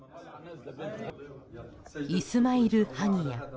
イスマイル・ハニヤ。